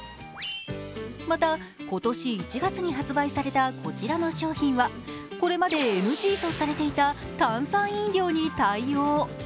また、今年１月に発売されたこちらの商品はこれまでＮＧとされていた炭酸飲料に対応。